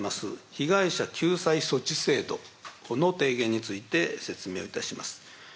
被害者救済措置制度の提言について説明をいたします。